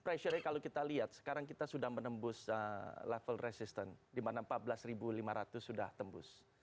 pressure nya kalau kita lihat sekarang kita sudah menembus level resistant di mana empat belas lima ratus sudah tembus